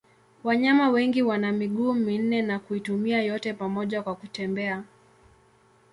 Wanyama wengi wana miguu minne na kuitumia yote pamoja kwa kutembea.